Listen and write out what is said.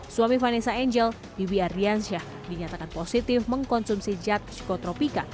suami vanessa angel bibi ardiansyah dinyatakan positif mengkonsumsi zat psikotropika